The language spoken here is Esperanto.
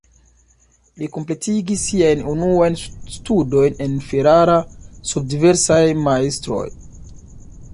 Li kompletigis siajn unuajn studojn en Ferrara sub diversaj majstroj.